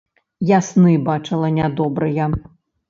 Я сны бачыла нядобрыя.